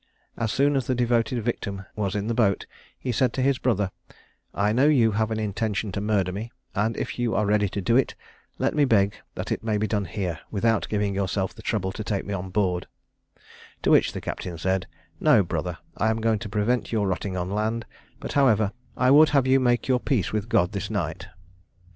As soon as the devoted victim was in the boat, he said to his brother, "I know you have an intention to murder me; and if you are ready to do it, let me beg that it may be done here, without giving yourself the trouble to take me on board;" to which the captain said, "No, brother, I am going to prevent your rotting on land; but, however, I would have you make your peace with God this night."